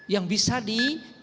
yang bisa di